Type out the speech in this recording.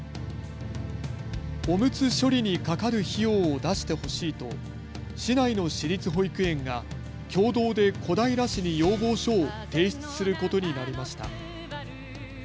おむつ処理にかかる費用を出してほしいと市内の私立保育園が共同で小平市に要望書を提出することになりました。